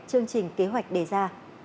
chương trình kế hoạch đề ra